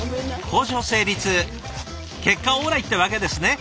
交渉成立結果オーライってわけですね。